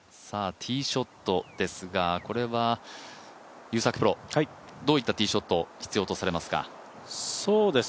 ティーショットですが、これは優作プロどういったティーショットが必要とされますか？